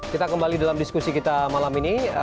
kita kembali dalam diskusi kita malam ini